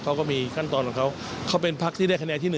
เขาก็มีขั้นตอนของเขาเขาเป็นพักที่ได้คะแนนที่๑